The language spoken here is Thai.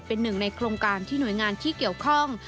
เป็นหนึ่งในโครงการที่หน่วยงานที่เกี่ยวข้อง